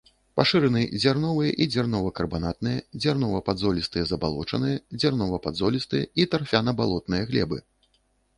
Пашыраны дзярновыя і дзярнова-карбанатныя, дзярнова-падзолістыя забалочаныя, дзярнова-падзолістыя і тарфяна-балотныя глебы.